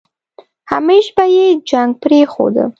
همېش به يې جنګ پرېښوده.